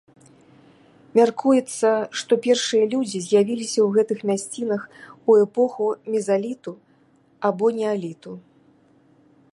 Мяркуецца, што першыя людзі з'явіліся ў гэтых мясцінах у эпоху мезаліту або неаліту.